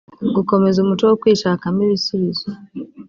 gukomeza umuco wo kwishakamo ibisubizo